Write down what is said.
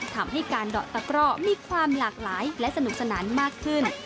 ทำให้การเดาะตะกร่อมีความหลากหลายและสนุกสนานมากขึ้น